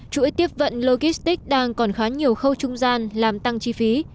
chuỗi tiếp vận logistics đang còn khá nhiều khâu trung gian làm tăng chi phí